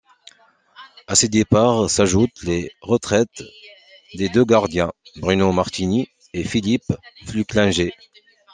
À ces départs s'ajoutent les retraites des deux gardiens, Bruno Martini et Philippe Flucklinger.